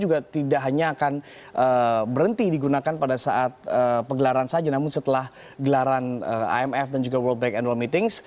juga tidak hanya akan berhenti digunakan pada saat pegelaran saja namun setelah gelaran imf dan juga world bank annual meetings